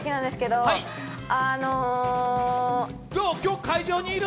どう、今日会場にいる？